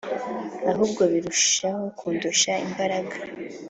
ahubwo birushaho kundusha imbaraga